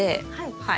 はい。